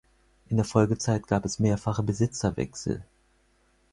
In der Folgezeit gab es mehrfache Besitzerwechsel.